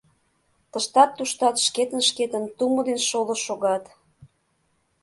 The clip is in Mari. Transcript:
Тыштат-туштат шкетын-шкетын тумо ден шоло шогат.